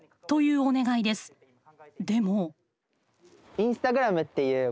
でも。